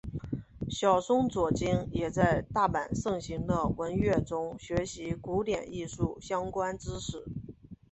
小松左京也在大阪盛行的文乐中学习古典艺术相关知识。